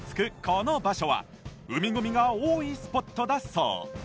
この場所は海ゴミが多いスポットだそう